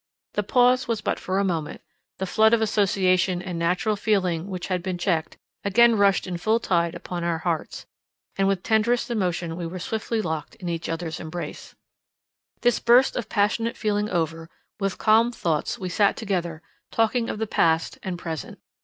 The pause was but for a moment; the flood of association and natural feeling which had been checked, again rushed in full tide upon our hearts, and with tenderest emotion we were swiftly locked in each other's embrace. This burst of passionate feeling over, with calmed thoughts we sat together, talking of the past and present.